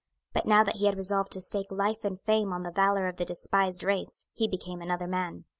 But now that he had resolved to stake life and fame on the valour of the despised race, he became another man.